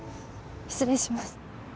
失礼します。